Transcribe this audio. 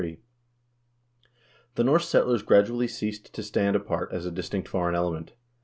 The Norse settlers gradually ceased to stand apart as a distinct foreign element.